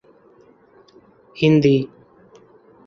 Hindi